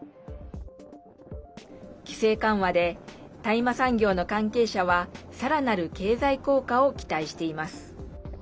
規制緩和で大麻産業の関係者はさらなる経済効果を期待しています。